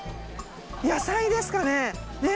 野菜ですかね？